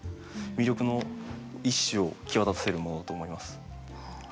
魅力の一首を際立たせるものだと思います。